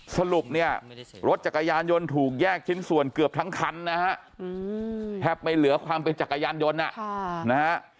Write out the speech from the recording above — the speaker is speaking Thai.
สรุปเนี่ยรถจักรยานยนต์ถูกแยกชิ้นส่วนเกือบทั้งคันนะฮะแทบไม่เหลือความเป็นจักรยานยนต์นะฮะ